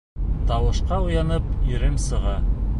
Тауышҡа уянып, ирем сыға.